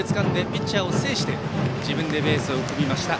ピッチャーを制して自分でベースを踏みました。